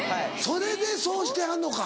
それでそうしてはんのか。